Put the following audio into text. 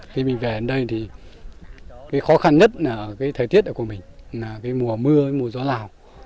khi mình về đến đây thì khó khăn nhất là thời tiết của mình mùa mưa mùa gió nào